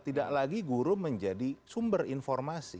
tidak lagi guru menjadi sumber informasi